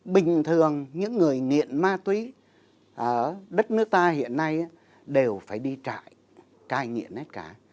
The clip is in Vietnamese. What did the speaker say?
bình thường những người nghiện ma túy ở đất nước ta hiện nay đều phải đi trại cai nghiện hết cả